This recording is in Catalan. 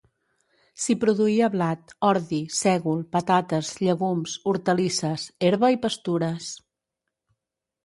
S'hi produïa blat, ordi, sègol, patates, llegums, hortalisses, herba i pastures.